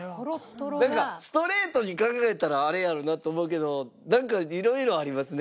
なんかストレートに考えたらあれやろうなと思うけどなんか色々ありますね。